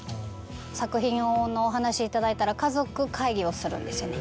作品のお話頂いたら家族会議をするんですよね。